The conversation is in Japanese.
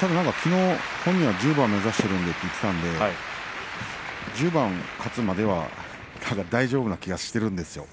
ただきのう本人は１０番目指しているんでと言っていたので１０番勝つまでは大丈夫な気がしているんですよ。